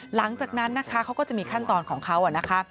หลังจากนั้นนะคะเขาก็จะมีขั้นตอนของเขานะคะ